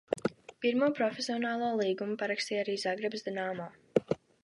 "Pirmo profesionālo līgumu parakstīja ar Zagrebas "Dinamo"."